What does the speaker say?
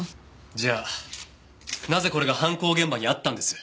じゃあなぜこれが犯行現場にあったんです？